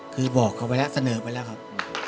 คือบอกเขาไปแล้วเสนอไปแล้วครับ